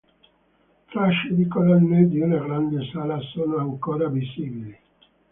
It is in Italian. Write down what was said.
Tracce di colonne di una grande sala sono ancora visibili.